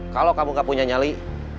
kalau kamu gak punya nyali